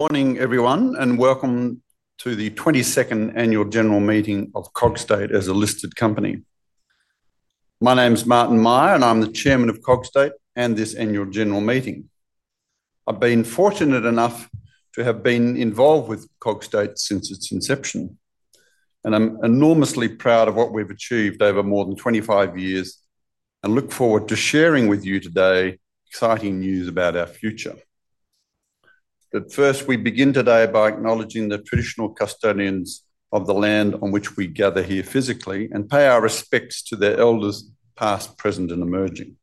Morning everyone, and welcome to the 22nd Annual General Meeting of Cogstate as a listed company. My name is Martyn Myer, and I'm the Chairman of Cogstate and this Annual General Meeting. I've been fortunate enough to have been involved with Cogstate since its inception, and I'm enormously proud of what we've achieved over more than 25 years and look forward to sharing with you today exciting news about our future. First, we begin today by acknowledging the traditional custodians of the land on which we gather here physically and pay our respects to their elders past, present, and emerging.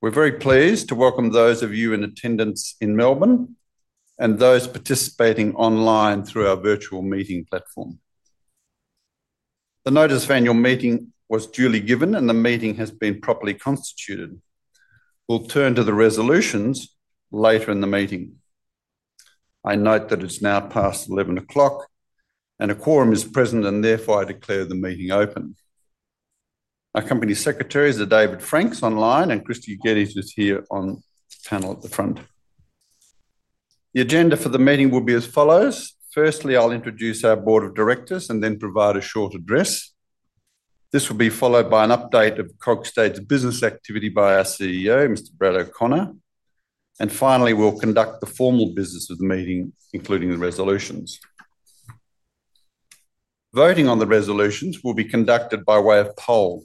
We're very pleased to welcome those of you in attendance in Melbourne and those participating online through our virtual meeting platform. The notice of Annual Meeting was duly given, and the meeting has been properly constituted. We'll turn to the resolutions later in the meeting. I note that it's now past 11:00 A.M., and a quorum is present, and therefore I declare the meeting open. Our Company Secretaries are David Franks online, and Kristy Geddes is here on the panel at the front. The agenda for the meeting will be as follows: firstly, I'll introduce our Board of Directors and then provide a short address. This will be followed by an update of Cogstate's business activity by our CEO, Mr. Brad O'Connor, and finally, we'll conduct the formal business of the meeting, including the resolutions. Voting on the resolutions will be conducted by way of poll.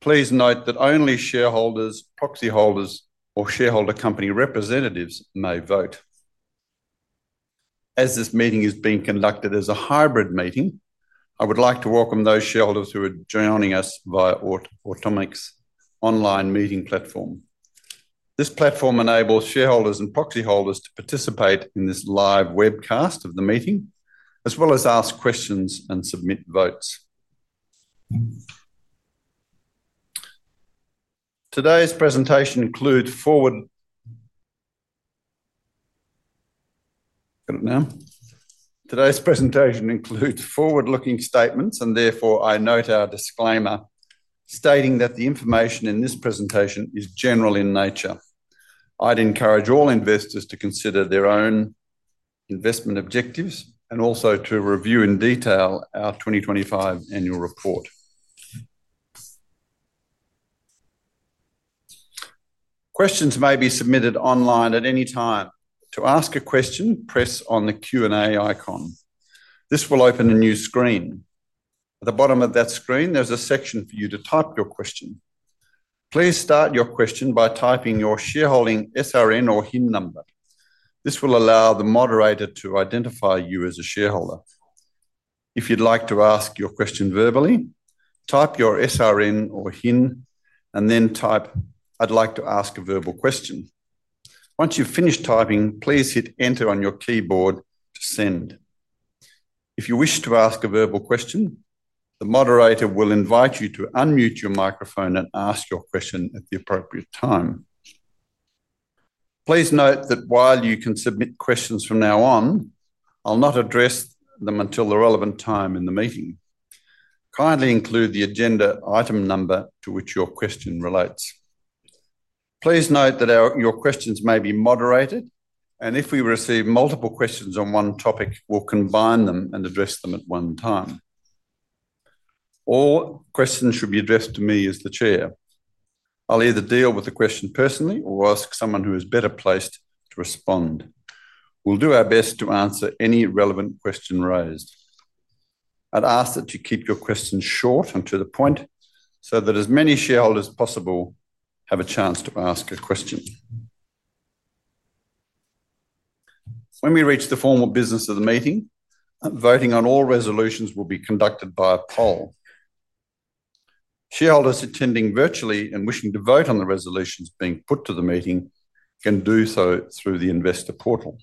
Please note that only shareholders, proxy holders, or shareholder company representatives may vote. As this meeting is being conducted as a hybrid meeting, I would like to welcome those shareholders who are joining us via Automix's online meeting platform. This platform enables shareholders and proxy holders to participate in this live webcast of the meeting, as well as ask questions and submit votes. Today's presentation includes forward-looking statements, and therefore I note our disclaimer stating that the information in this presentation is general in nature. I'd encourage all investors to consider their own investment objectives and also to review in detail our 2025 Annual Report. Questions may be submitted online at any time. To ask a question, press on the Q&A icon. This will open a new screen. At the bottom of that screen, there's a section for you to type your question. Please start your question by typing your shareholding SRN or HIN number. This will allow the moderator to identify you as a shareholder. If you'd like to ask your question verbally, type your SRN or HIN and then type "I'd like to ask a verbal question." Once you've finished typing, please hit Enter on your keyboard to send. If you wish to ask a verbal question, the moderator will invite you to unmute your microphone and ask your question at the appropriate time. Please note that while you can submit questions from now on, I'll not address them until the relevant time in the meeting. Kindly include the agenda item number to which your question relates. Please note that your questions may be moderated, and if we receive multiple questions on one topic, we'll combine them and address them at one time. All questions should be addressed to me as the Chair. I'll either deal with the question personally or ask someone who is better placed to respond. We'll do our best to answer any relevant question raised. I'd ask that you keep your questions short and to the point so that as many shareholders as possible have a chance to ask a question. When we reach the formal business of the meeting, voting on all resolutions will be conducted by a poll. Shareholders attending virtually and wishing to vote on the resolutions being put to the meeting can do so through the Investor Portal.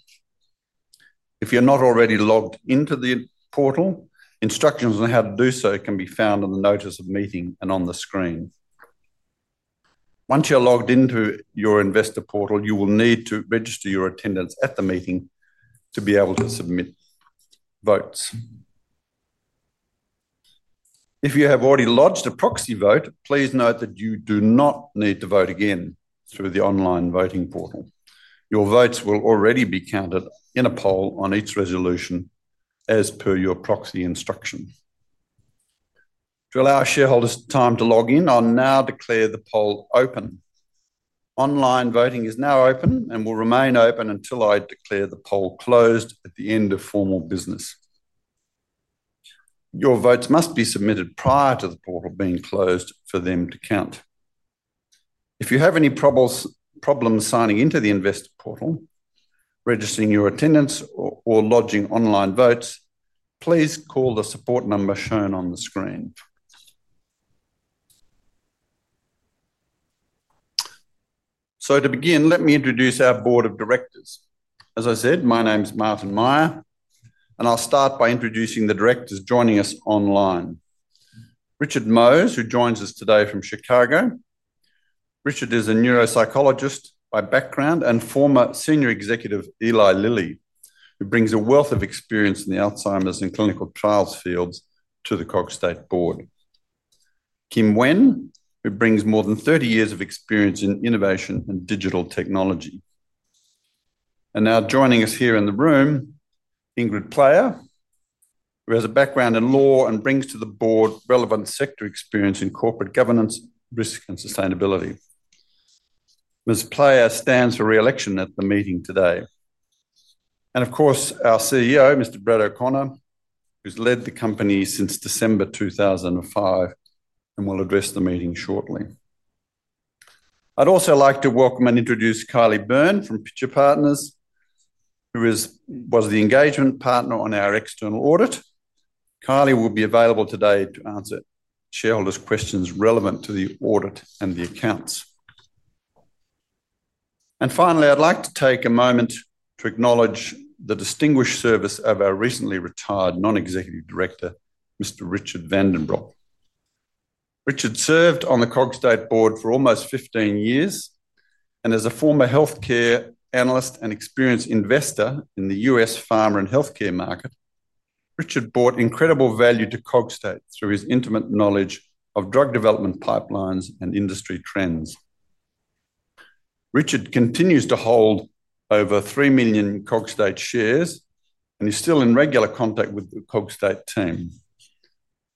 If you're not already logged into the portal, instructions on how to do so can be found on the notice of meeting and on the screen. Once you're logged into your Investor Portal, you will need to register your attendance at the meeting to be able to submit votes. If you have already lodged a proxy vote, please note that you do not need to vote again through the online voting portal. Your votes will already be counted in a poll on each resolution as per your proxy instruction. To allow shareholders time to log in, I'll now declare the poll open. Online voting is now open and will remain open until I declare the poll closed at the end of formal business. Your votes must be submitted prior to the portal being closed for them to count. If you have any problems signing into the Investor Portal, registering your attendance, or lodging online votes, please call the support number shown on the screen. To begin, let me introduce our Board of Directors. As I said, my name is Martyn Myer, and I'll start by introducing the directors joining us online. Richard Mose, who joins us today from Chicago, Richard is a neuropsychologist by background and former Senior Executive at Eli Lilly, who brings a wealth of experience in the Alzheimer's and clinical trials fields to the Cogstate Board. Kim Nguyen, who brings more than 30 years of experience in innovation and digital technology. Now joining us here in the room, Ingrid Player, who has a background in law and brings to the Board relevant sector experience in corporate governance, risk, and sustainability. Ms. Player stands for reelection at the meeting today. Of course, our CEO, Mr. Brad O’Connor, who's led the company since December 2005 and will address the meeting shortly. I'd also like to welcome and introduce Kylie Byrne from Pitcher Partners, who was the engagement partner on our external audit. Kylie will be available today to answer shareholders' questions relevant to the audit and the accounts. Finally, I'd like to take a moment to acknowledge the distinguished service of our recently retired Non-Executive Director, Mr. Richard Vandenbrock. Richard served on the Cogstate Board for almost 15 years, and as a former healthcare analyst and experienced investor in the US pharma and healthcare market, Richard brought incredible value to Cogstate through his intimate knowledge of drug development pipelines and industry trends. Richard continues to hold over 3 million Cogstate shares and is still in regular contact with the Cogstate team.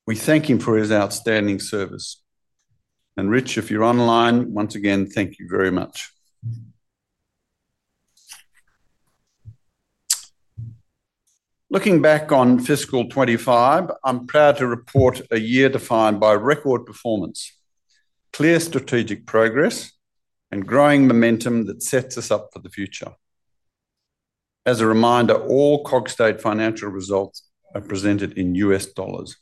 We thank him for his outstanding service. Rich, if you're online, once again, thank you very much. Looking back on fiscal 2025, I'm proud to report a year defined by record performance, clear strategic progress, and growing momentum that sets us up for the future. As a reminder, all Cogstate financial results are presented in US dollars.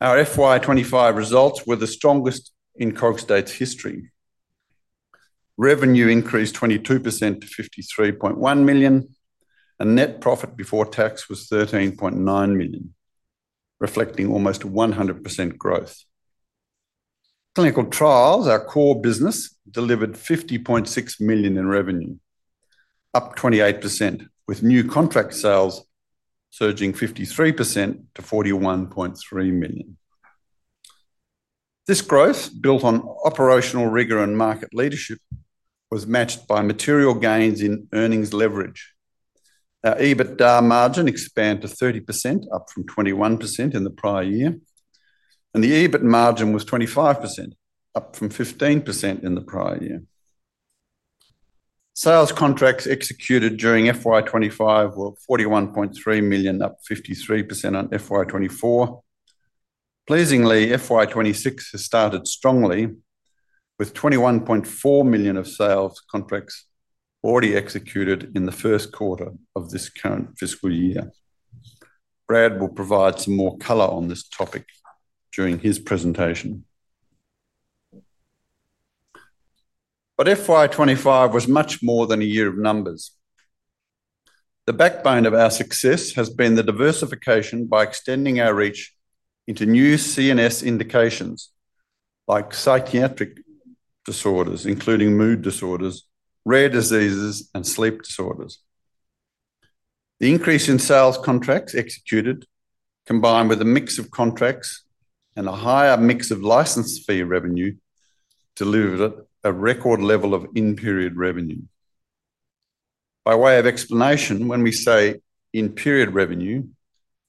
Our FY 2025 results were the strongest in Cogstate's history. Revenue increased 22% to $53.1 million, and net profit before tax was $13.9 million, reflecting almost 100% growth. Clinical trials, our core business, delivered $50.6 million in revenue, up 28%, with new contract sales surging 53% to $41.3 million. This growth, built on operational rigor and market leadership, was matched by material gains in earnings leverage. Our EBITDA margin expanded to 30%, up from 21% in the prior year, and the EBIT margin was 25%, up from 15% in the prior year. Sales contracts executed during FY 2025 were $41.3 million, up 53% on FY 2024. Pleasingly, FY 2026 has started strongly with $21.4 million of sales contracts already executed in the first quarter of this current fiscal year. Brad will provide some more color on this topic during his presentation. FY 2025 was much more than a year of numbers. The backbone of our success has been the diversification by extending our reach into new CNS indications like psychiatric disorders, including mood disorders, rare diseases, and sleep disorders. The increase in sales contracts executed, combined with a mix of contracts and a higher mix of license fee revenue, delivered a record level of in-period revenue. By way of explanation, when we say in-period revenue,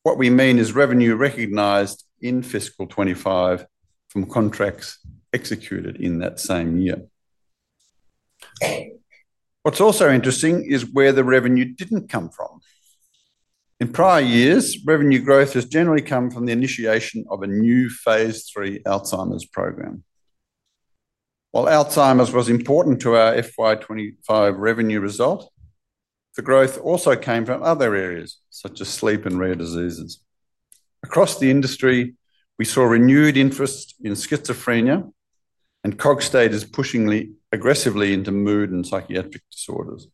what we mean is revenue recognized in FY 2025 from contracts executed in that same year. What's also interesting is where the revenue didn't come from. In prior years, revenue growth has generally come from the initiation of a new Phase III Alzheimer's program. While Alzheimer's was important to our FY 2025 revenue result, the growth also came from other areas such as sleep and rare diseases. Across the industry, we saw renewed interest in schizophrenia, and Cogstate is pushing aggressively into mood and psychiatric disorders.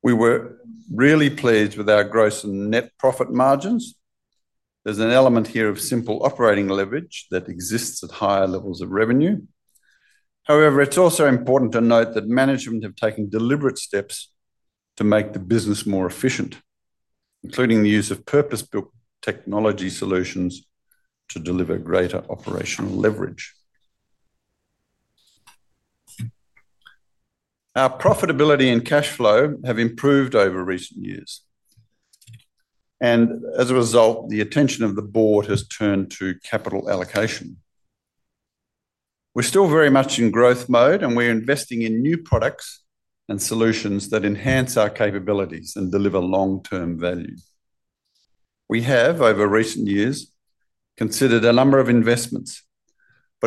We were really pleased with our gross and net profit margins. There's an element here of simple operating leverage that exists at higher levels of revenue. However, it's also important to note that management has taken deliberate steps to make the business more efficient, including the use of purpose-built technology solutions to deliver greater operational leverage. Our profitability and cash flow have improved over recent years, and as a result, the attention of the Board has turned to capital allocation. We're still very much in growth mode, and we're investing in new products and solutions that enhance our capabilities and deliver long-term value. We have, over recent years, considered a number of investments but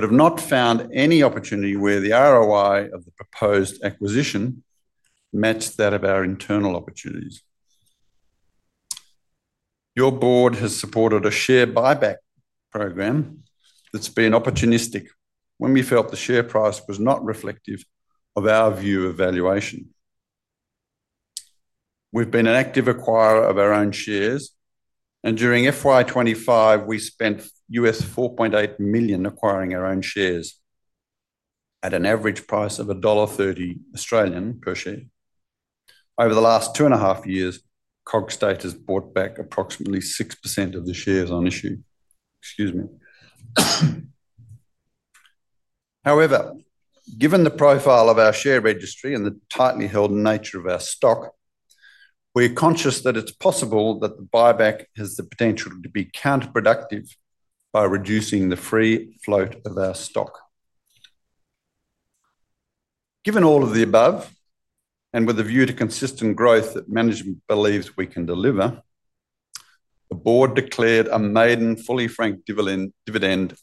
have not found any opportunity where the ROI of the proposed acquisition matched that of our internal opportunities. Your Board has supported a share buyback program that's been opportunistic when we felt the share price was not reflective of our view of valuation. We've been an active acquirer of our own shares, and during FY 2025 we spent US $4.8 million acquiring our own shares at an average price of $1.30 Australian per share. Over the last two and a half years, Cogstate has bought back approximately 6% of the shares on issue. Excuse me. However, given the profile of our share registry and the tightly held nature of our stock, we're conscious that it's possible that the buyback has the potential to be counterproductive by reducing the free float of our stock. Given all of the above, and with a view to consistent growth that management believes we can deliver, the Board declared a made-and-fully franked dividend of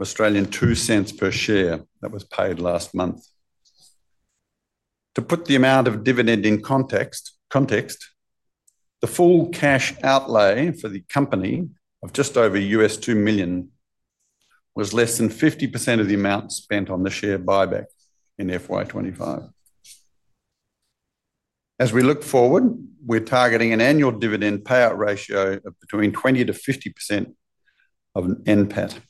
Australian $0.02 per share that was paid last month. To put the amount of dividend in context, the full cash outlay for the company of just over US $2 million was less than 50% of the amount spent on the share buyback in FY 2025. As we look forward, we're targeting an annual dividend payout ratio of between 20% to 50% of NPAT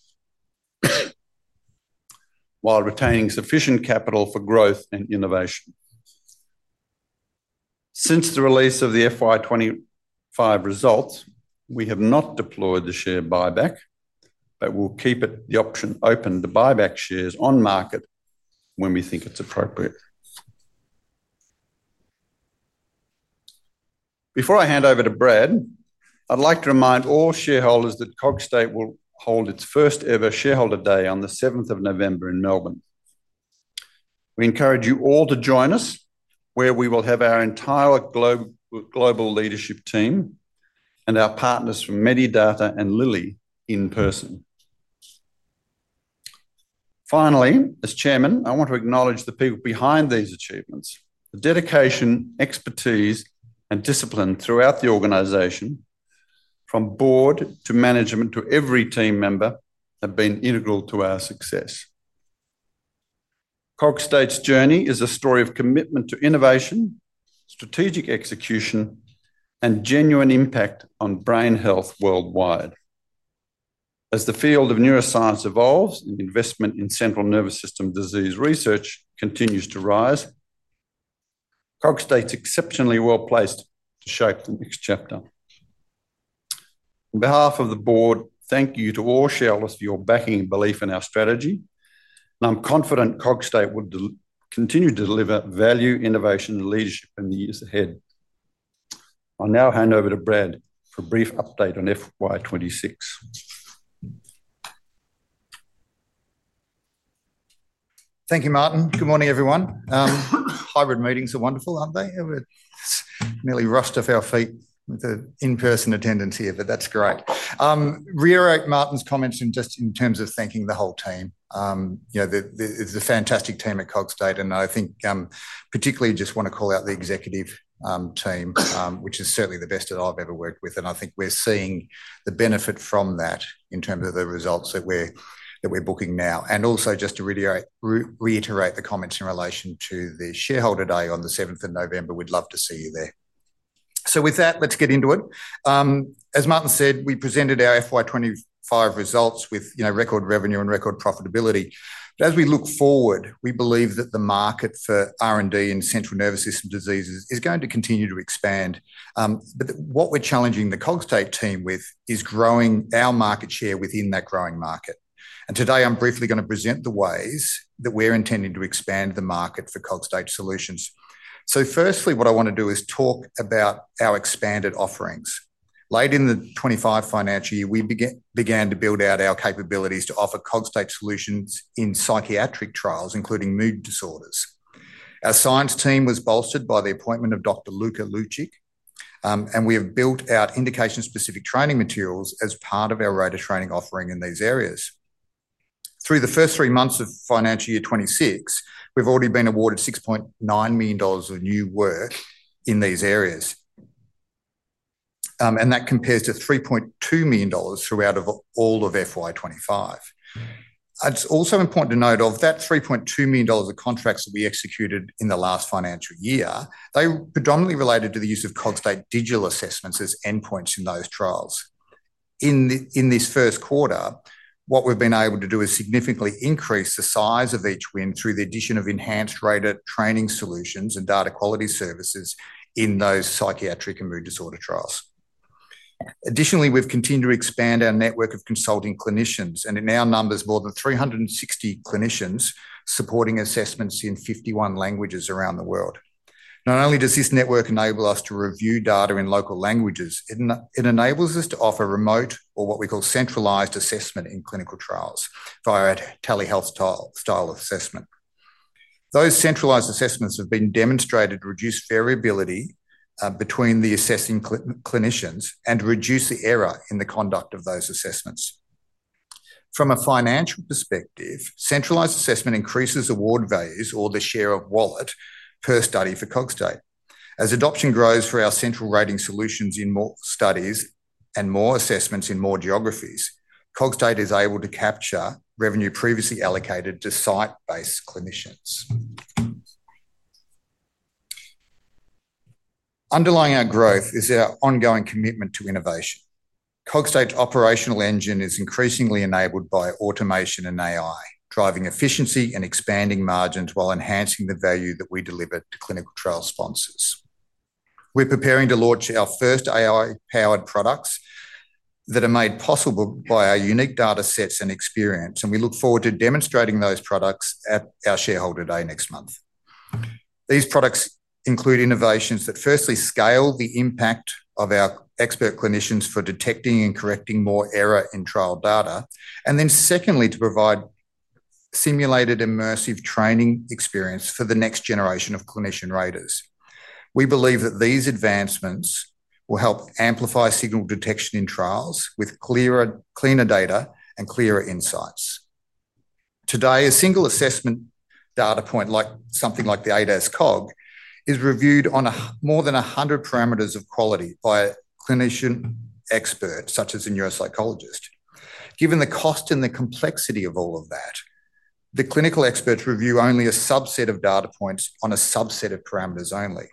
while retaining sufficient capital for growth and innovation. Since the release of the FY 2025 results, we have not deployed the share buyback, but we'll keep the option open to buy back shares on market when we think it's appropriate. Before I hand over to Brad, I'd like to remind all shareholders that Cogstate will hold its first-ever Shareholder Day on the 7th of November in Melbourne. We encourage you all to join us, where we will have our entire global leadership team and our partners from Medidata and Lilly in person. Finally, as Chairman, I want to acknowledge the people behind these achievements. The dedication, expertise, and discipline throughout the organization, from Board to management to every team member, have been integral to our success. Cogstate's journey is a story of commitment to innovation, strategic execution, and genuine impact on brain health worldwide. As the field of neuroscience evolves and investment in central nervous system disease research continues to rise, Cogstate's exceptionally well placed to shape the next chapter. On behalf of the Board, thank you to all shareholders for your backing and belief in our strategy, and I'm confident Cogstate will continue to deliver value, innovation, and leadership in the years ahead. I'll now hand over to Brad for a brief update on FY 2026. Thank you, Martyn. Good morning, everyone. Hybrid meetings are wonderful, aren't they? We're nearly rushed off our feet with the in-person attendance here, but that's great. I reiterate Martyn's comments just in terms of thanking the whole team. You know, it's a fantastic team at Cogstate, and I think particularly just want to call out the executive team, which is certainly the best that I've ever worked with, and I think we're seeing the benefit from that in terms of the results that we're booking now. I also just want to reiterate the comments in relation to the Shareholder Day on the 7th of November, we'd love to see you there. With that, let's get into it. As Martyn said, we presented our FY 2025 results with record revenue and record profitability. As we look forward, we believe that the market for R&D in central nervous system diseases is going to continue to expand. What we're challenging the Cogstate team with is growing our market share within that growing market. Today I'm briefly going to present the ways that we're intending to expand the market for Cogstate Solutions. Firstly, what I want to do is talk about our expanded offerings. Late in the 2025 financial year, we began to build out our capabilities to offer Cogstate Solutions in psychiatric trials, including mood disorders. Our science team was bolstered by the appointment of Dr. Luca Lucic, and we have built out indication-specific training materials as part of our rota training offering in these areas. Through the first three months of financial year 2026, we've already been awarded $6.9 million of new work in these areas, and that compares to $3.2 million throughout all of FY 2025. It's also important to note that $3.2 million of contracts that we executed in the last financial year predominantly related to the use of Cogstate digital assessments as endpoints in those trials. In this first quarter, what we've been able to do is significantly increase the size of each win through the addition of enhanced rota training solutions and data quality services in those psychiatric and mood disorder trials. Additionally, we've continued to expand our network of consulting clinicians, and it now numbers more than 360 clinicians supporting assessments in 51 languages around the world. Not only does this network enable us to review data in local languages, it enables us to offer remote, or what we call centralized assessment in clinical trials via a telehealth style assessment. Those centralized assessments have been demonstrated to reduce variability between the assessing clinicians and reduce the error in the conduct of those assessments. From a financial perspective, centralized assessment increases award values, or the share of wallet, per study for Cogstate. As adoption grows for our central rating solutions in more studies and more assessments in more geographies, Cogstate is able to capture revenue previously allocated to site-based clinicians. Underlying our growth is our ongoing commitment to innovation. Cogstate's operational engine is increasingly enabled by automation and AI, driving efficiency and expanding margins while enhancing the value that we deliver to clinical trial sponsors. We're preparing to launch our first AI-powered products that are made possible by our unique data sets and experience, and we look forward to demonstrating those products at our Shareholder Day next month. These products include innovations that firstly scale the impact of our expert clinicians for detecting and correcting more error in trial data, and then secondly to provide simulated immersive training experience for the next generation of clinician raters. We believe that these advancements will help amplify signal detection in trials with cleaner data and clearer insights. Today, a single assessment data point, like something like the ADAS-Cog, is reviewed on more than 100 parameters of quality by a clinician expert, such as a neuropsychologist. Given the cost and the complexity of all of that, the clinical experts review only a subset of data points on a subset of parameters only.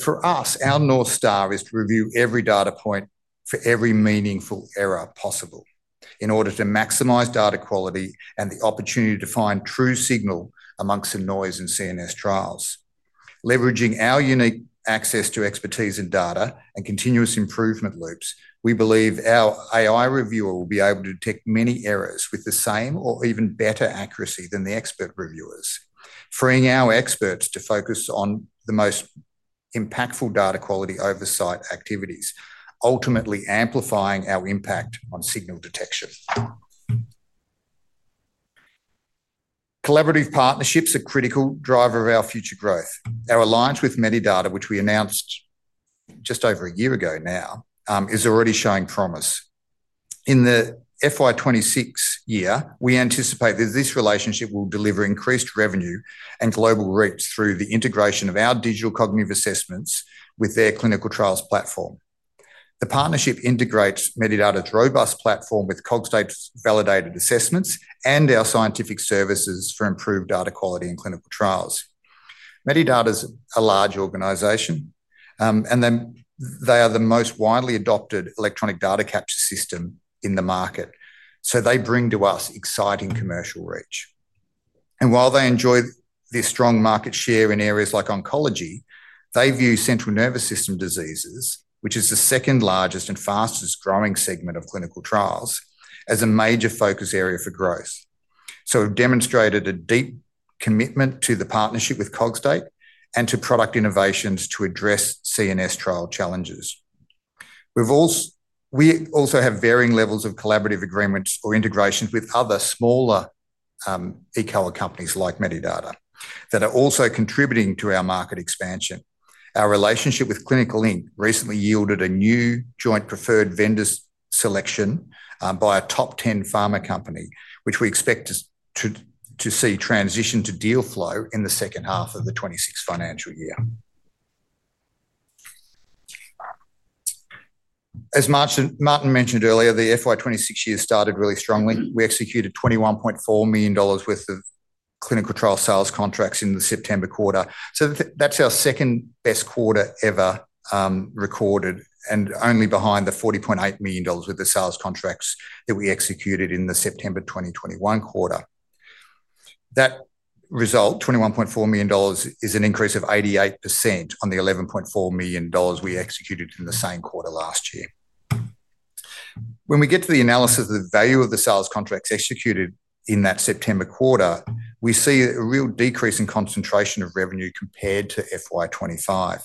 For us, our North Star is to review every data point for every meaningful error possible in order to maximize data quality and the opportunity to find true signal amongst the noise in CNS trials. Leveraging our unique access to expertise and data and continuous improvement loops, we believe our AI reviewer will be able to detect many errors with the same or even better accuracy than the expert reviewers, freeing our experts to focus on the most impactful data quality oversight activities, ultimately amplifying our impact on signal detection. Collaborative partnerships are a critical driver of our future growth. Our alliance with Medidata, which we announced just over a year ago now, is already showing promise. In the FY 2026 year, we anticipate that this relationship will deliver increased revenue and global reach through the integration of our digital cognitive assessments with their clinical trials platform. The partnership integrates Medidata's robust platform with Cogstate-validated assessments and our scientific services for improved data quality in clinical trials. Medidata is a large organization, and they are the most widely adopted electronic data capture system in the market, so they bring to us exciting commercial reach. While they enjoy their strong market share in areas like oncology, they view central nervous system diseases, which is the second largest and fastest growing segment of clinical trials, as a major focus area for growth. We've demonstrated a deep commitment to the partnership with Cogstate and to product innovations to address CNS trial challenges. We also have varying levels of collaborative agreements or integrations with other smaller e-clinical companies like Medidata that are also contributing to our market expansion. Our relationship with Clinical Inc. recently yielded a new joint preferred vendors selection by a top 10 pharma company, which we expect to see transition to deal flow in the second half of the 2026 financial year. As Martyn mentioned earlier, the FY 2026 year started really strongly. We executed $21.4 million worth of clinical trial sales contracts in the September quarter. That's our second best quarter ever recorded, and only behind the $40.8 million worth of sales contracts that we executed in the September 2021 quarter. That result, $21.4 million, is an increase of 88% on the $11.4 million we executed in the same quarter last year. When we get to the analysis of the value of the sales contracts executed in that September quarter, we see a real decrease in concentration of revenue compared to FY 2025.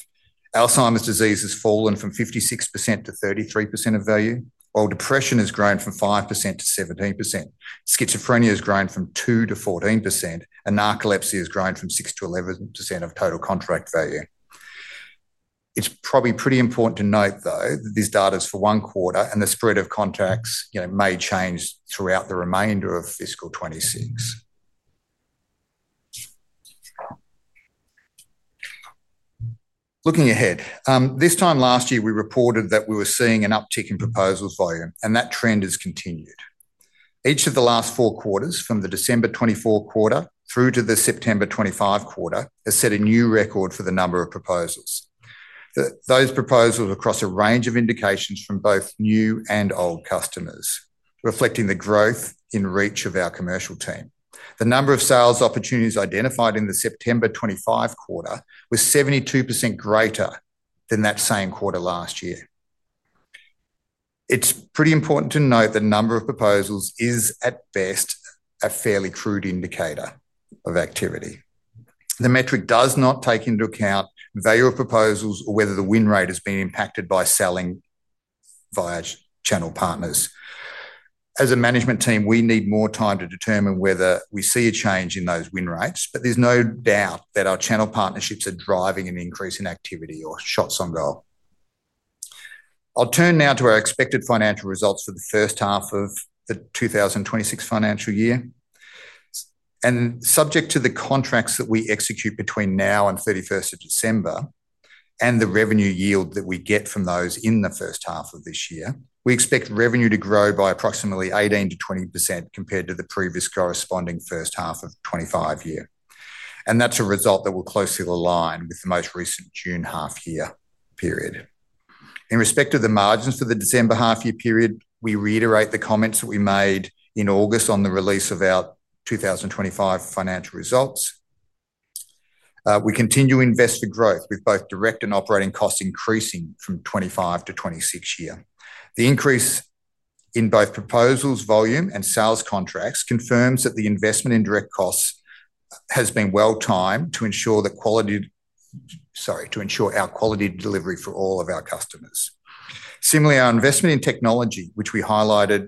Our Alzheimer's disease has fallen from 56%-33% of value, while depression has grown from 5% to 17%, schizophrenia has grown from 2% to 14%, and narcolepsy has grown from 6% to 11% of total contract value. It's probably pretty important to note, though, that this data is for one quarter, and the spread of contracts may change throughout the remainder of fiscal 2026. Looking ahead, this time last year we reported that we were seeing an uptick in proposal volume, and that trend has continued. Each of the last four quarters, from the December 2024 quarter through to the September 2025 quarter, has set a new record for the number of proposals. Those proposals are across a range of indications from both new and old customers, reflecting the growth in reach of our commercial team. The number of sales opportunities identified in the September 2025 quarter was 72% greater than that same quarter last year. It is pretty important to note that the number of proposals is, at best, a fairly crude indicator of activity. The metric does not take into account the value of proposals or whether the win rate has been impacted by selling via channel partners. As a management team, we need more time to determine whether we see a change in those win rates, but there is no doubt that our channel partnerships are driving an increase in activity or shots on goal. I'll turn now to our expected financial results for the first half of the 2026 financial year. Subject to the contracts that we execute between now and 31st of December and the revenue yield that we get from those in the first half of this year, we expect revenue to grow by approximately 18% to 20% compared to the previous corresponding first half of the 2025 year. That is a result that will closely align with the most recent June half-year period. In respect to the margins for the December half-year period, we reiterate the comments that we made in August on the release of our 2025 financial results. We continue to invest for growth with both direct and operating costs increasing from 2025 to 2026 year. The increase in both proposal volume and sales contracts confirms that the investment in direct costs has been well-timed to ensure our quality delivery for all of our customers. Similarly, our investment in technology, which we highlighted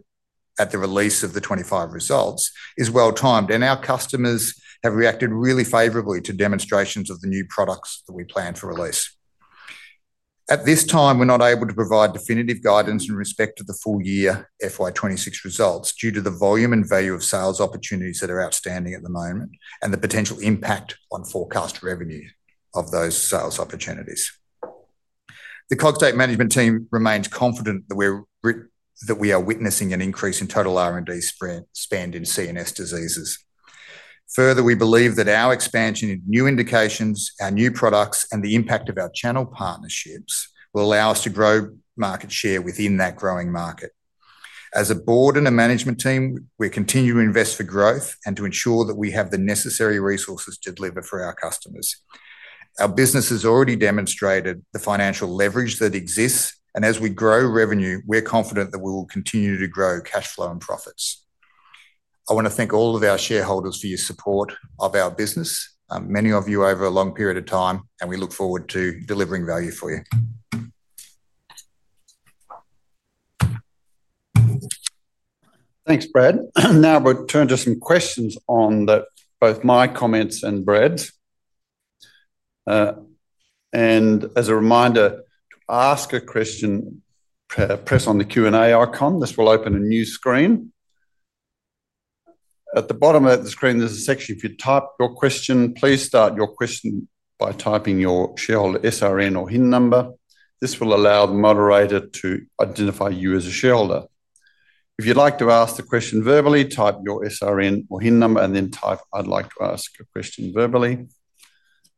at the release of the 2025 results, is well-timed, and our customers have reacted really favorably to demonstrations of the new products that we plan to release. At this time, we are not able to provide definitive guidance in respect to the full year FY 2026 results due to the volume and value of sales opportunities that are outstanding at the moment and the potential impact on forecast revenue of those sales opportunities. The Cogstate management team remains confident that we are witnessing an increase in total R&D spend in CNS diseases. Further, we believe that our expansion in new indications, our new products, and the impact of our channel partnerships will allow us to grow market share within that growing market. As a Board and a management team, we're continuing to invest for growth and to ensure that we have the necessary resources to deliver for our customers. Our business has already demonstrated the financial leverage that exists, and as we grow revenue, we're confident that we will continue to grow cash flow and profits. I want to thank all of our shareholders for your support of our business, many of you over a long period of time, and we look forward to delivering value for you. Thanks, Brad. Now I'll turn to some questions on both my comments and Brad's. As a reminder, to ask a question, press on the Q&A icon. This will open a new screen. At the bottom of the screen, there's a section if you type your question. Please start your question by typing your shareholder SRN or HIN number. This will allow the moderator to identify you as a shareholder. If you'd like to ask the question verbally, type your SRN or HIN number and then type, "I'd like to ask a question verbally."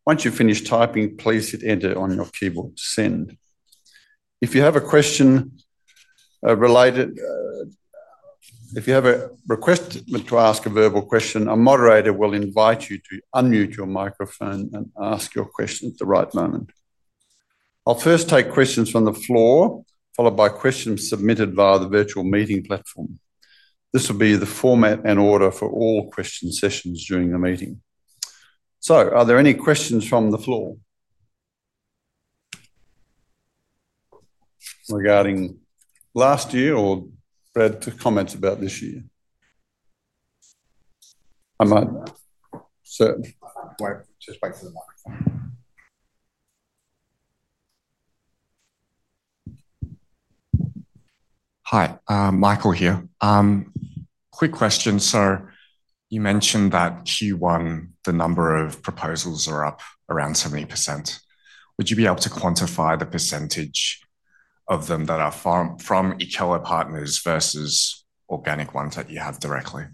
Once you've finished typing, please hit Enter on your keyboard to send. If you have a request to ask a verbal question, a moderator will invite you to unmute your microphone and ask your question at the right moment. I'll first take questions from the floor, followed by questions submitted via the virtual meeting platform. This will be the format and order for all question sessions during the meeting. Are there any questions from the floor regarding last year or Brad's comments about this year? I might. Just wait for the microphone. Hi, Michael here. Quick question. You mentioned that Q1, the number of proposals are up around 70%. Would you be able to quantify the percentage of them that are from e-collar partners versus organic ones that you have directly?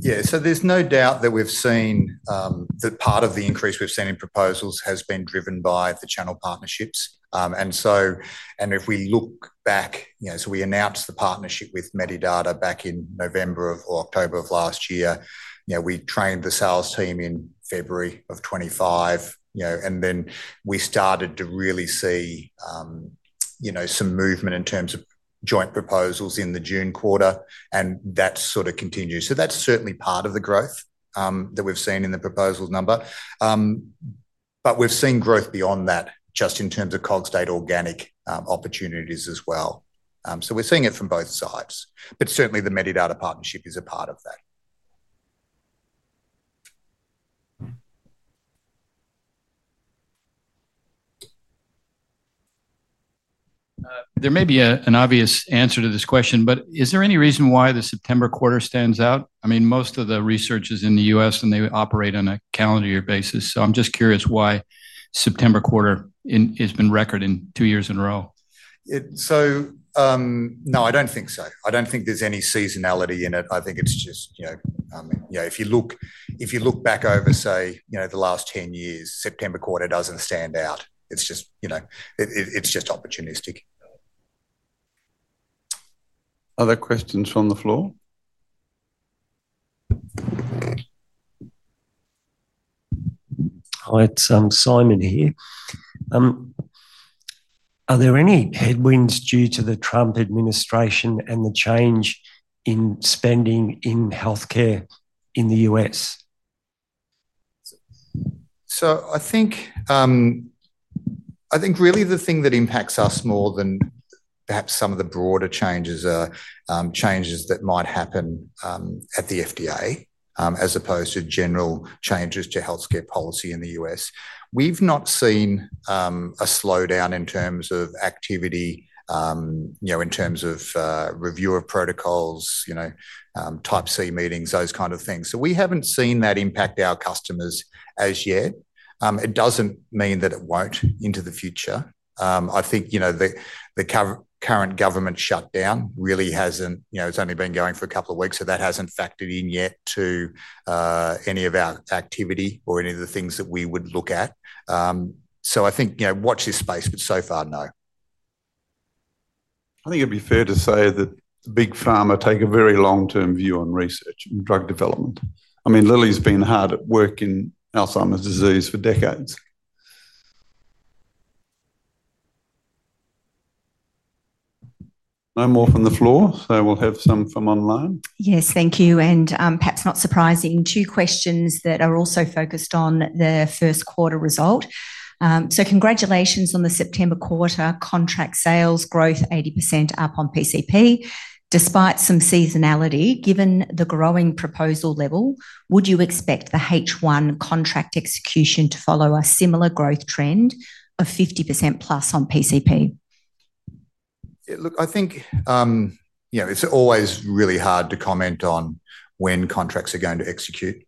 Yeah, there's no doubt that we've seen that part of the increase we've seen in proposals has been driven by the channel partnerships. If we look back, we announced the partnership with Medidata back in November or October of last year. We trained the sales team in February of 2025, and then we started to really see some movement in terms of joint proposals in the June quarter, and that sort of continues. That's certainly part of the growth that we've seen in the proposal number. We've seen growth beyond that just in terms of Cogstate organic opportunities as well. We're seeing it from both sides, but certainly the Medidata partnership is a part of that. There may be an obvious answer to this question, but is there any reason why the September quarter stands out? I mean, most of the research is in the U.S., and they operate on a calendar year basis. I'm just curious why the September quarter has been record in two years in a row. I don't think so. I don't think there's any seasonality in it. I think it's just, you know, if you look back over, say, you know, the last 10 years, the September quarter doesn't stand out. It's just, you know, it's just opportunistic. Other questions from the floor? Hi, it's Simon here. Are there any headwinds due to the Trump administration and the change in spending in healthcare in the U.S.? I think really the thing that impacts us more than perhaps some of the broader changes are changes that might happen at the FDA as opposed to general changes to healthcare policy in the U.S. We've not seen a slowdown in terms of activity, in terms of review of protocols, type C meetings, those kinds of things. We haven't seen that impact our customers as yet. It doesn't mean that it won't into the future. I think the current government shutdown really hasn't, it's only been going for a couple of weeks, so that hasn't factored in yet to any of our activity or any of the things that we would look at. I think watch this space, but so far, no. I think it'd be fair to say that the big pharma take a very long-term view on research and drug development. I mean, Lilly's been hard at work in Alzheimer's disease for decades. No more from the floor, so we'll have some from online. Yes, thank you. Perhaps not surprising, two questions that are also focused on the first quarter result. Congratulations on the September quarter contract sales growth, 80% up on PCP. Despite some seasonality, given the growing proposal level, would you expect the H1 contract execution to follow a similar growth trend of 50%+ on PCP? Yeah, look, I think it's always really hard to comment on when contracts are going to execute,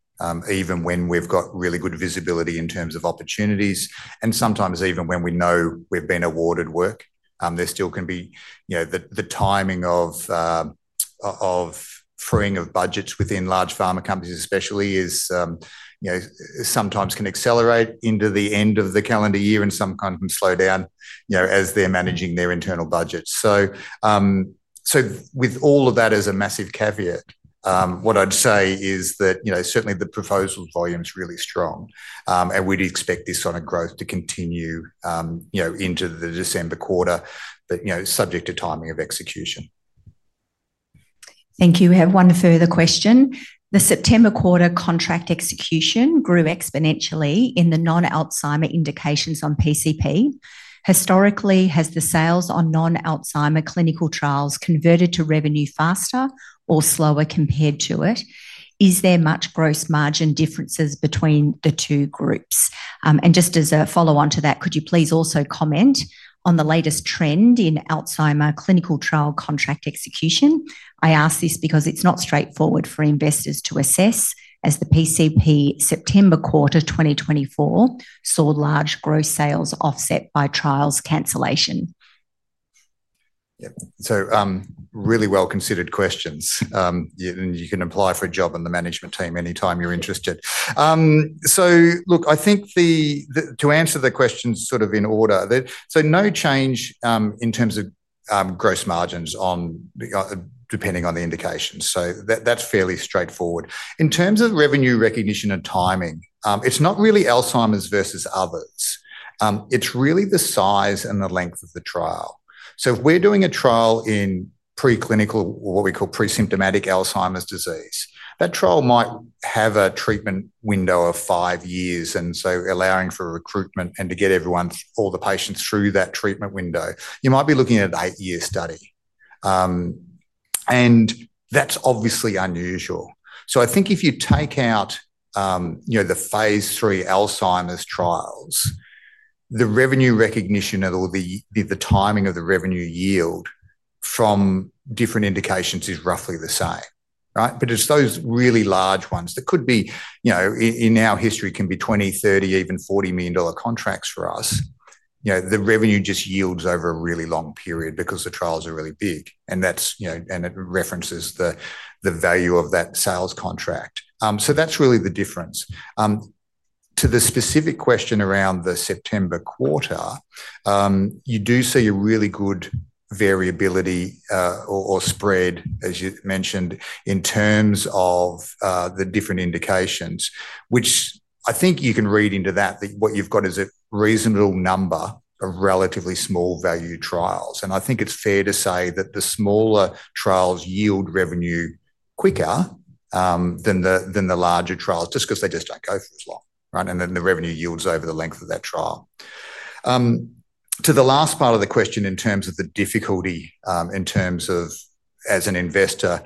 even when we've got really good visibility in terms of opportunities. Sometimes even when we know we've been awarded work, there still can be the timing of freeing of budgets within large pharma companies especially, which sometimes can accelerate into the end of the calendar year and sometimes can slow down as they're managing their internal budgets. With all of that as a massive caveat, what I'd say is that certainly the proposal volume is really strong, and we'd expect this sort of growth to continue into the December quarter, but subject to timing of execution. Thank you. We have one further question. The September quarter contract execution grew exponentially in the non-Alzheimer indications on PCP. Historically, has the sales on non-Alzheimer clinical trials converted to revenue faster or slower compared to it? Is there much gross margin differences between the two groups? Just as a follow-on to that, could you please also comment on the latest trend in Alzheimer clinical trial contract execution? I ask this because it's not straightforward for investors to assess as the PCP September quarter 2024 saw large gross sales offset by trials cancellation. Yeah, really well-considered questions. You can apply for a job on the management team anytime you're interested. I think to answer the questions in order, no change in terms of gross margins depending on the indications. That's fairly straightforward. In terms of revenue recognition and timing, it's not really Alzheimer's versus others. It's really the size and the length of the trial. If we're doing a trial in preclinical or what we call presymptomatic Alzheimer's disease, that trial might have a treatment window of five years, and allowing for recruitment and to get everyone, all the patients, through that treatment window, you might be looking at an eight-year study. That's obviously unusual. If you take out the phase three Alzheimer's trials, the revenue recognition or the timing of the revenue yield from different indications is roughly the same. It's those really large ones that could be, in our history, $20 million, $30 million, even $40 million contracts for us. The revenue just yields over a really long period because the trials are really big, and that references the value of that sales contract. That's really the difference. To the specific question around the September quarter, you do see a really good variability or spread, as you mentioned, in terms of the different indications, which I think you can read into that what you've got is a reasonable number of relatively small-value trials. I think it's fair to say that the smaller trials yield revenue quicker than the larger trials just because they just don't go through as long, right? The revenue yields over the length of that trial. To the last part of the question in terms of the difficulty, as an investor,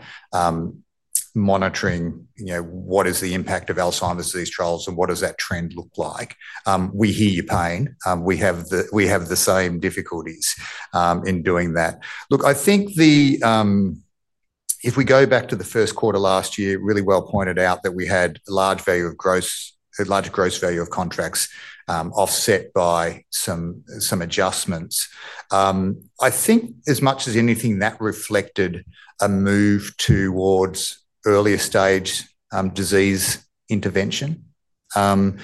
monitoring what is the impact of Alzheimer's disease trials and what does that trend look like, we hear your pain. We have the same difficulties in doing that. If we go back to the first quarter last year, it was really well pointed out that we had a large gross value of contracts offset by some adjustments. I think as much as anything, that reflected a move towards earlier stage disease intervention. The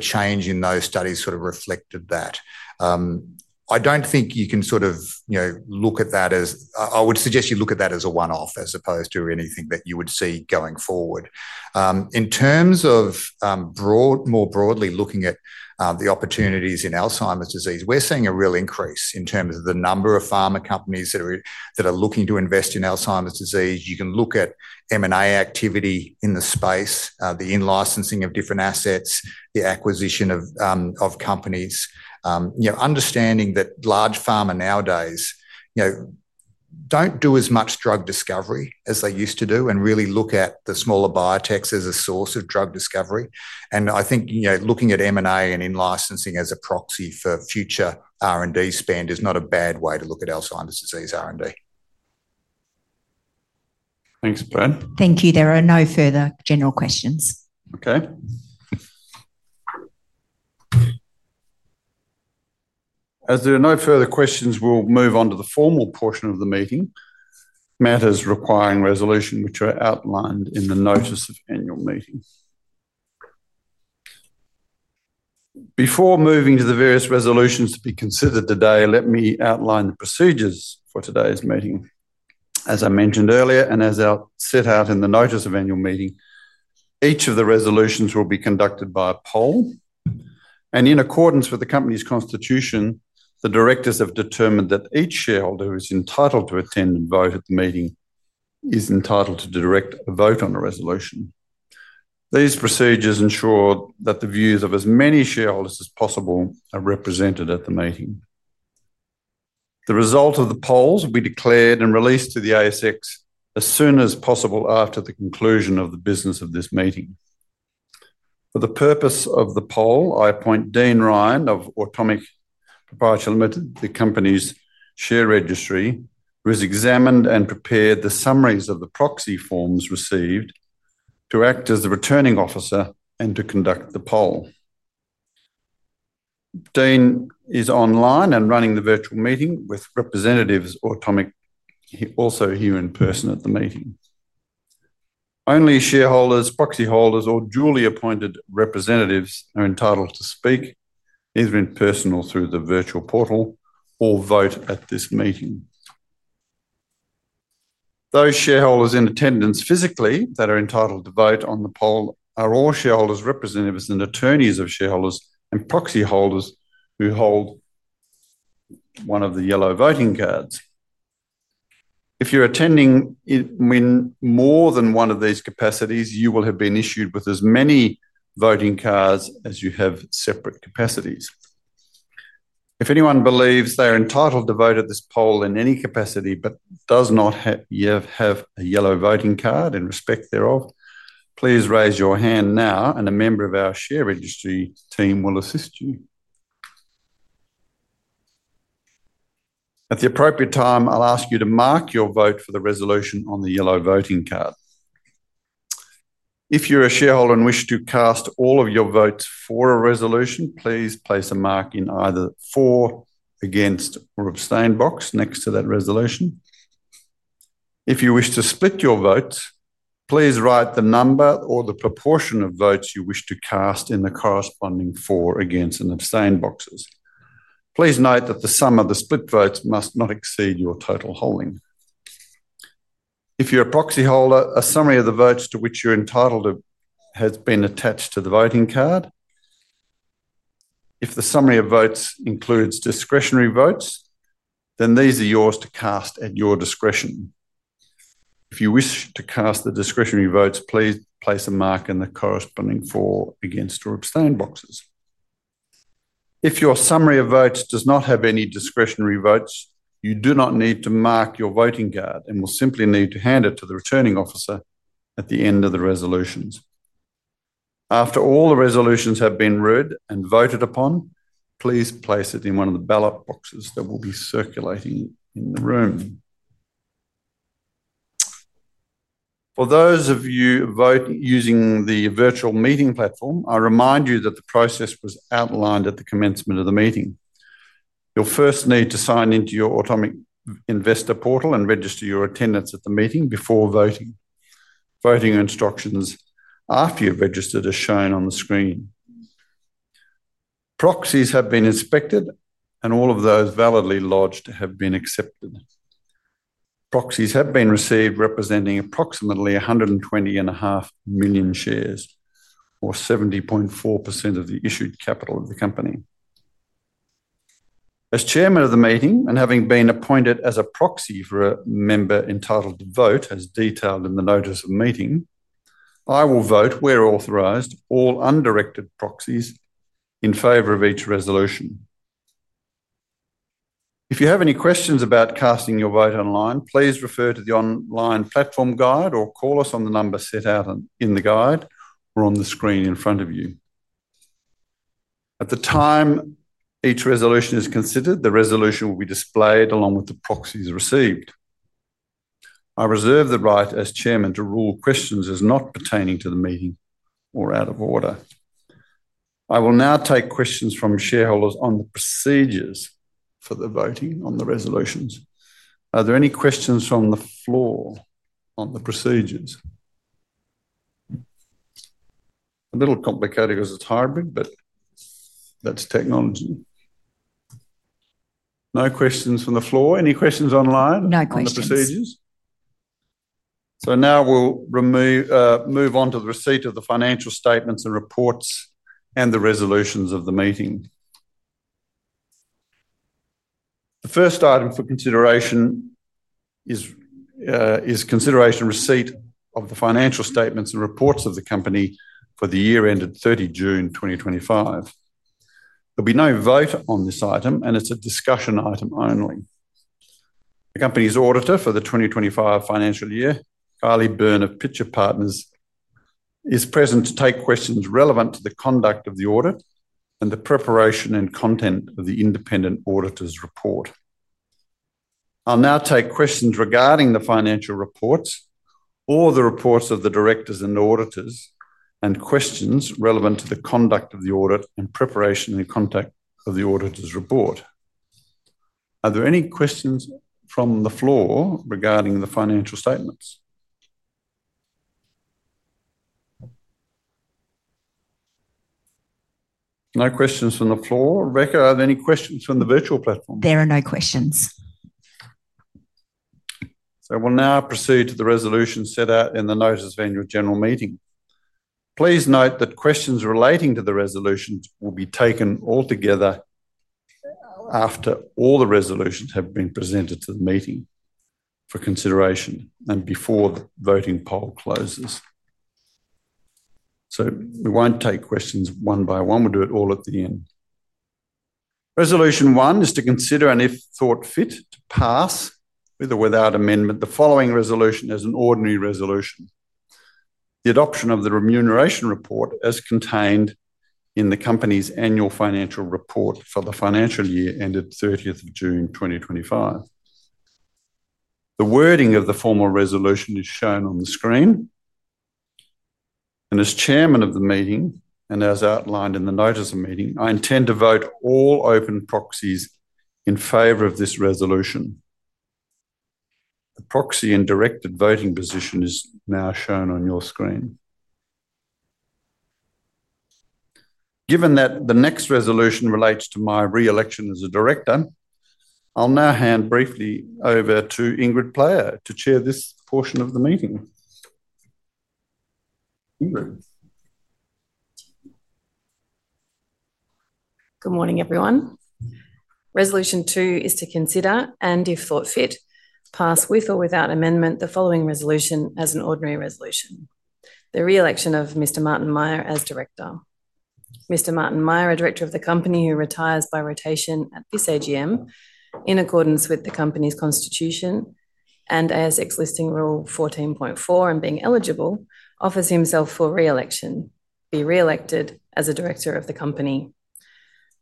change in those studies reflected that. I don't think you can look at that as, I would suggest you look at that as a one-off as opposed to anything that you would see going forward. In terms of more broadly looking at the opportunities in Alzheimer's disease, we're seeing a real increase in terms of the number of pharma companies that are looking to invest in Alzheimer's disease. You can look at M&A activity in the space, the in-licensing of different assets, the acquisition of companies, understanding that large pharma nowadays don't do as much drug discovery as they used to do and really look at the smaller biotechs as a source of drug discovery. I think looking at M&A and in-licensing as a proxy for future R&D spend is not a bad way to look at Alzheimer's disease R&D. Thanks, Brad. Thank you. There are no further general questions. Okay. As there are no further questions, we'll move on to the formal portion of the meeting, matters requiring resolution, which are outlined in the notice of annual meeting. Before moving to the various resolutions to be considered today, let me outline the procedures for today's meeting. As I mentioned earlier and as set out in the notice of annual meeting, each of the resolutions will be conducted by a poll. In accordance with the company's constitution, the Directors have determined that each shareholder who is entitled to attend and vote at the meeting is entitled to direct a vote on a resolution. These procedures ensure that the views of as many shareholders as possible are represented at the meeting. The result of the polls will be declared and released to the ASX as soon as possible after the conclusion of the business of this meeting. For the purpose of the poll, I appoint Dean Ryan of Automix Proprietary Limited, the company's share registry, who has examined and prepared the summaries of the proxy forms received to act as the returning officer and to conduct the poll. Dean is online and running the virtual meeting with representatives of Automix, also here in person at the meeting. Only shareholders, proxy holders, or duly appointed representatives are entitled to speak, either in person or through the virtual portal, or vote at this meeting. Those shareholders in attendance physically that are entitled to vote on the poll are all shareholders represented as an attorney of shareholders and proxy holders who hold one of the yellow voting cards. If you're attending in more than one of these capacities, you will have been issued with as many voting cards as you have separate capacities. If anyone believes they're entitled to vote at this poll in any capacity but does not yet have a yellow voting card in respect thereof, please raise your hand now and a member of our share registry team will assist you. At the appropriate time, I'll ask you to mark your vote for the resolution on the yellow voting card. If you're a shareholder and wish to cast all of your votes for a resolution, please place a mark in either the for, against, or abstain box next to that resolution. If you wish to split your votes, please write the number or the proportion of votes you wish to cast in the corresponding for, against, and abstain boxes. Please note that the sum of the split votes must not exceed your total holding. If you're a proxy holder, a summary of the votes to which you're entitled has been attached to the voting card. If the summary of votes includes discretionary votes, then these are yours to cast at your discretion. If you wish to cast the discretionary votes, please place a mark in the corresponding for, against, or abstain boxes. If your summary of votes does not have any discretionary votes, you do not need to mark your voting card and will simply need to hand it to the returning officer at the end of the resolutions. After all the resolutions have been read and voted upon, please place it in one of the ballot boxes that will be circulating in the room. For those of you who vote using the virtual meeting platform, I remind you that the process was outlined at the commencement of the meeting. You'll first need to sign into your Automix investor portal and register your attendance at the meeting before voting. Voting instructions after you've registered are shown on the screen. Proxies have been inspected, and all of those validly lodged have been accepted. Proxies have been received, representing approximately 120.5 million shares, or 70.4% of the issued capital of the company. As Chairman of the meeting and having been appointed as a proxy for a member entitled to vote, as detailed in the notice of meeting, I will vote where authorized, all undirected proxies in favor of each resolution. If you have any questions about casting your vote online, please refer to the online platform guide or call us on the number set out in the guide or on the screen in front of you. At the time each resolution is considered, the resolution will be displayed along with the proxies received. I reserve the right as Chairman to rule questions as not pertaining to the meeting or out of order. I will now take questions from shareholders on the procedures for the voting on the resolutions. Are there any questions from the floor on the procedures? A little complicated because it's hybrid, but that's technology. No questions from the floor. Any questions online? No questions. On the procedures? Now we'll move on to the receipt of the financial statements and reports and the resolutions of the meeting. The first item for consideration is consideration of receipt of the financial statements and reports of the company for the year ended 30 June 2025. There'll be no vote on this item, and it's a discussion item only. The company's auditor for the 2025 financial year, Kylie Byrne of Pitcher Partners, is present to take questions relevant to the conduct of the audit and the preparation and content of the independent auditor's report. I'll now take questions regarding the financial reports or the reports of the directors and auditors and questions relevant to the conduct of the audit and preparation and content of the auditor's report. Are there any questions from the floor regarding the financial statements? No questions from the floor. Rebecca, are there any questions from the virtual platform? There are no questions. We will now proceed to the resolutions set out in the notice of annual general meeting. Please note that questions relating to the resolutions will be taken altogether after all the resolutions have been presented to the meeting for consideration and before the voting poll closes. We won't take questions one by one. We'll do it all at the end. Resolution one is to consider, and if thought fit, to pass with or without amendment the following resolution as an ordinary resolution: the adoption of the remuneration report as contained in the company's annual financial report for the financial year ended June 30, 2025. The wording of the formal resolution is shown on the screen. As Chairman of the meeting and as outlined in the notice of meeting, I intend to vote all open proxies in favor of this resolution. The proxy and directed voting position is now shown on your screen. Given that the next resolution relates to my reelection as a Director, I'll now hand briefly over to Ingrid Player to chair this portion of the meeting. Good morning, everyone. Resolution two is to consider, and if thought fit, pass with or without amendment the following resolution as an ordinary resolution: the reelection of Mr. Martyn Myer as Director. Mr. Martyn Myer, a Director of the company who retires by rotation at this AGM in accordance with the company's constitution and ASX Listing Rule 14.4 and being eligible, offers himself for reelection, be reelected as a Director of the company.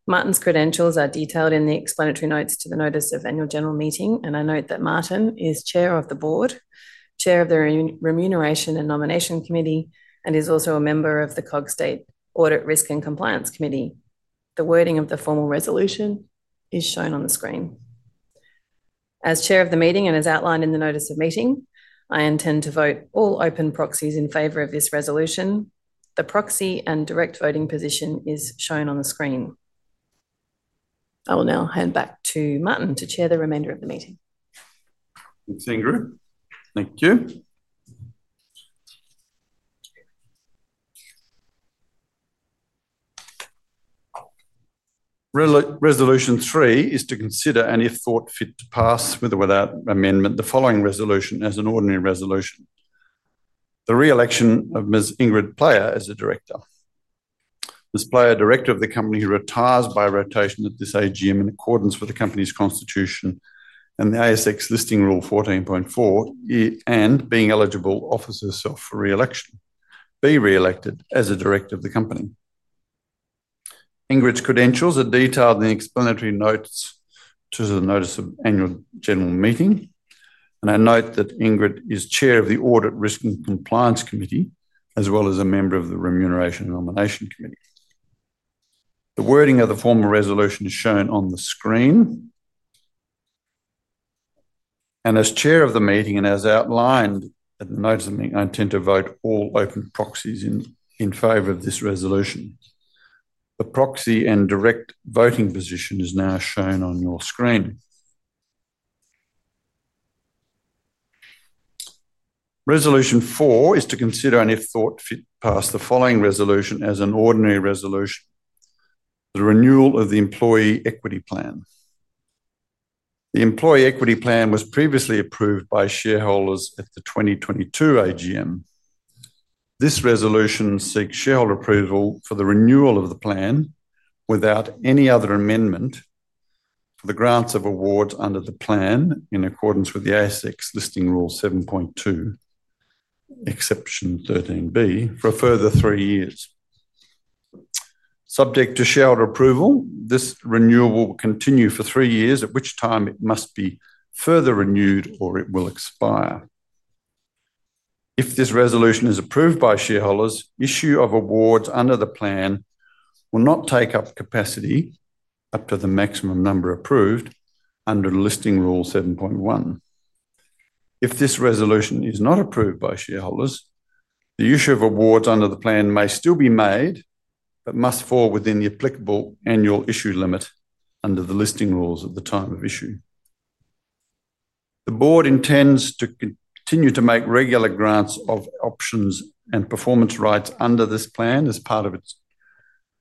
Martyn's credentials are detailed in the explanatory notes to the notice of annual general meeting, and I note that Martyn is Chair of the Board, Chair of the Remuneration and Nomination Committee, and is also a member of the Cogstate Audit Risk and Compliance Committee. The wording of the formal resolution is shown on the screen. As Chair of the meeting and as outlined in the notice of meeting, I intend to vote all open proxies in favor of this resolution. The proxy and direct voting position is shown on the screen. I will now hand back to Martyn to chair the remainder of the meeting. Thanks, Ingrid. Thank you. Resolution three is to consider, and if thought fit, to pass with or without amendment the following resolution as an ordinary resolution: the reelection of Ms. Ingrid Player as a Director. Ms. Player, Director of the company who retires by rotation at this AGM in accordance with the company's constitution and the ASX Listing Rule 14.4, and being eligible, offers herself for reelection, be reelected as a Director of the company. Ingrid's credentials are detailed in the explanatory notes to the notice of annual general meeting, and I note that Ingrid is Chair of the Audit Risk and Compliance Committee, as well as a member of the Remuneration and Nomination Committee. The wording of the formal resolution is shown on the screen. As Chair of the meeting and as outlined in the notice of meeting, I intend to vote all open proxies in favor of this resolution. The proxy and direct voting position is now shown on your screen. Resolution four is to consider, and if thought fit, pass the following resolution as an ordinary resolution: the renewal of the employee equity plan. The employee equity plan was previously approved by shareholders at the 2022 AGM. This resolution seeks shareholder approval for the renewal of the plan without any other amendment for the grants of awards under the plan in accordance with the ASX Listing Rule 7.2, exception 13B, for a further three years. Subject to shareholder approval, this renewal will continue for three years, at which time it must be further renewed or it will expire. If this resolution is approved by shareholders, issue of awards under the plan will not take up capacity up to the maximum number approved under Listing Rule 7.1. If this resolution is not approved by shareholders, the issue of awards under the plan may still be made but must fall within the applicable annual issue limit under the listing rules at the time of issue. The Board intends to continue to make regular grants of options and performance rights under this plan as part of its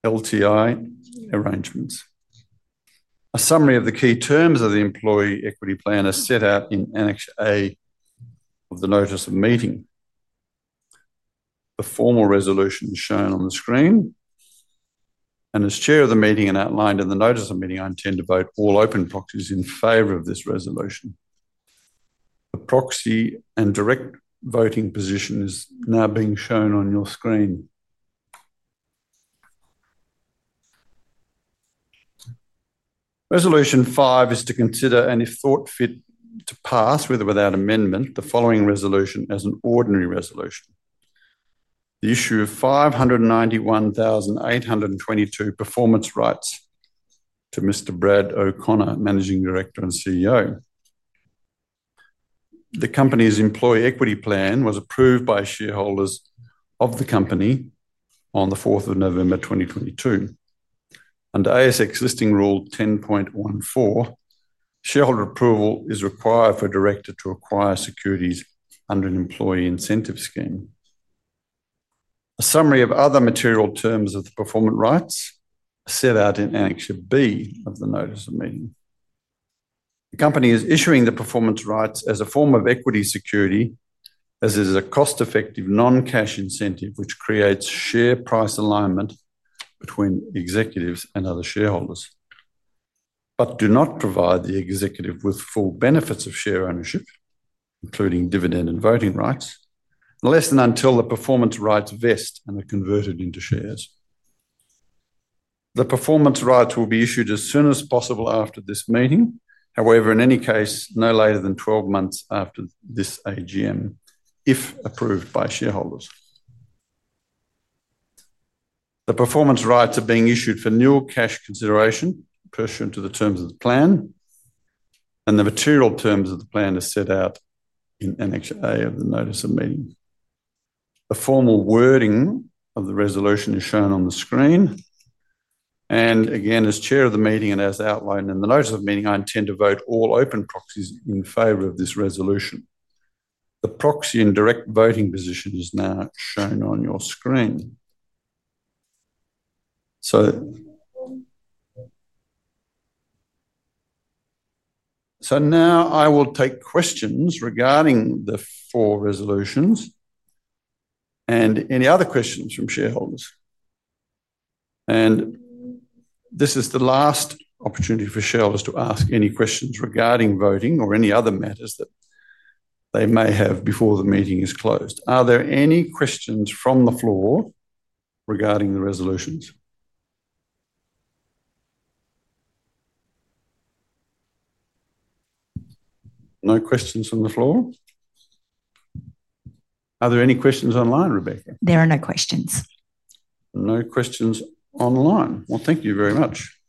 LTI arrangements. A summary of the key terms of the employee equity plan is set out in Annex A of the notice of meeting. The formal resolution is shown on the screen. As Chair of the meeting and outlined in the notice of meeting, I intend to vote all open proxies in favor of this resolution. The proxy and direct voting position is now being shown on your screen. Resolution five is to consider, and if thought fit, to pass with or without amendment the following resolution as an ordinary resolution: the issue of 591,822 performance rights to Mr. Brad O’Connor, Managing Director and CEO. The company's employee equity plan was approved by shareholders of the company on November 4, 2022. Under ASX Listing Rule 10.14, shareholder approval is required for a director to acquire securities under an employee incentive scheme. A summary of other material terms of the performance rights is set out in Annex B of the notice of meeting. The company is issuing the performance rights as a form of equity security, as it is a cost-effective non-cash incentive which creates share price alignment between executives and other shareholders, but does not provide the executive with full benefits of share ownership, including dividend and voting rights, unless and until the performance rights vest and are converted into shares. The performance rights will be issued as soon as possible after this meeting. However, in any case, no later than 12 months after this AGM, if approved by shareholders. The performance rights are being issued for nil cash consideration pursuant to the terms of the plan, and the material terms of the plan are set out in Annex A of the notice of meeting. The formal wording of the resolution is shown on the screen. As Chair of the meeting and as outlined in the notice of meeting, I intend to vote all open proxies in favor of this resolution. The proxy and direct voting position is now shown on your screen. I will take questions regarding the four resolutions and any other questions from shareholders. This is the last opportunity for shareholders to ask any questions regarding voting or any other matters that they may have before the meeting is closed. Are there any questions from the floor regarding the resolutions? No questions from the floor. Are there any questions online, Rebecca? There are no questions. No questions online. Thank you very much.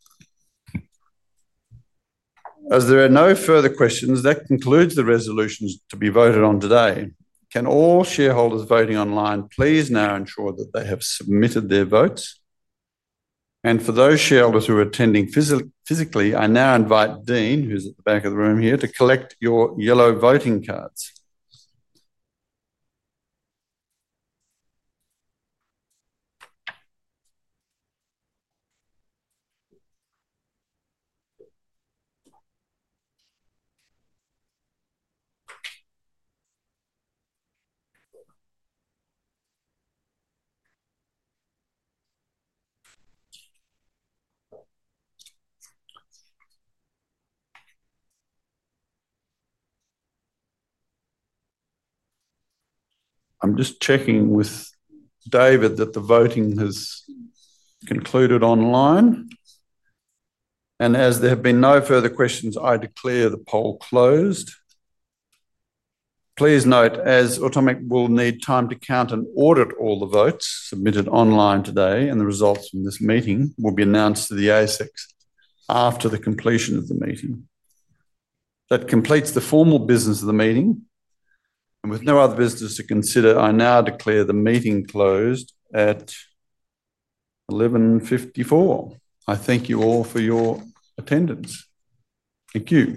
As there are no further questions, that concludes the resolutions to be voted on today. Can all shareholders voting online please now ensure that they have submitted their votes? For those shareholders who are attending physically, I now invite Dean, who's at the back of the room here, to collect your yellow voting cards. I'm just checking with David that the voting has concluded online. As there have been no further questions, I declare the poll closed. Please note, as Automix will need time to count and audit all the votes submitted online today, the results from this meeting will be announced to the ASX after the completion of the meeting. That completes the formal business of the meeting. With no other business to consider, I now declare the meeting closed at 11:54 A.M. I thank you all for your attendance. Thank you.